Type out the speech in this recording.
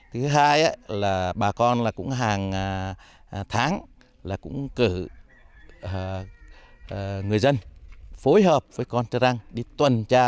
thứ hai là bà con cũng hàng tháng là cũng cử người dân phối hợp với con trư răng đi tuần tra